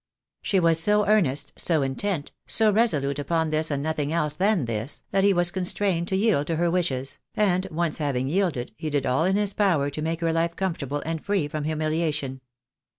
She was so earnest, so intent, so resolute upon this and nothing else than this, that he was constrained to yield to her wishes, and once having yielded, he did all in his power to make her life comfortable and free from humiliation.